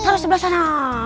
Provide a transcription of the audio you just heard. taruh sebelah sana